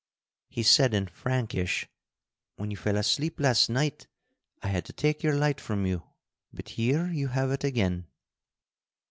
He said in Frankish: "When you fell asleep last night, I had to take your light from you, but here you have it again."